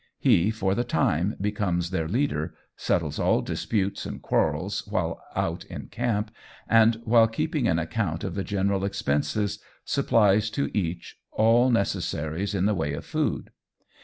He, for the time, becomes their leader, settles all disputes and quarrels while out in camp, and, while keeping an account of the general expenses, supplies to each, all necessaries in the way of food.